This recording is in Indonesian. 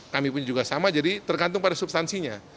kami pun juga sama jadi tergantung pada substansinya